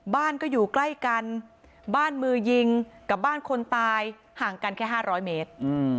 บ้านก็อยู่ใกล้กันบ้านมือยิงกับบ้านคนตายห่างกันแค่๕๐๐เมตร